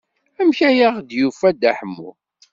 Amek ay aɣ-d-yufa Dda Ḥemmu?